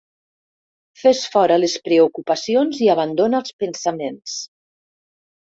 Fes fora les preocupacions i abandona els pensaments.